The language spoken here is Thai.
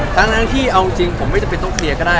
ทั้งที่เอาจริงผมไม่จำเป็นต้องเคลียร์ก็ได้